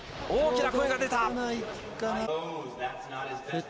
大きな声が出た。